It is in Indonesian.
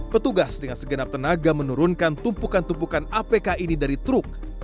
petugas dengan segenap tenaga menurunkan tumpukan tumpukan apk ini dari truk